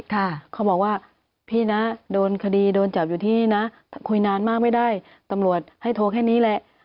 เขาบอกว่าพี่นะโดนคดีโดนจับอยู่ที่นะคุยนานมากไม่ได้ตำรวจให้โทรแค่นี้แหละ